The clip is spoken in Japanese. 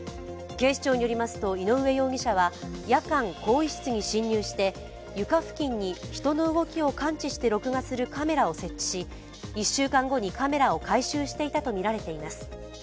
警視庁によりますと、井上容疑者は夜間、更衣室に侵入して床付近に人の動きを感知して録画するカメラを設置し１週間後にカメラを回収していたとみられています。